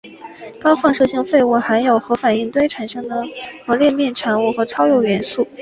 高放射性废物含有核反应堆产生的核裂变产物和超铀元素。